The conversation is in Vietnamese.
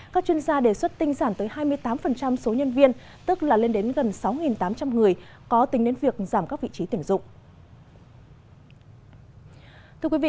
các chuyên gia đề xuất tinh giản tới hai mươi tám số nhân viên tức là lên đến gần sáu tám trăm linh người có tính đến việc giảm các vị trí tuyển dụng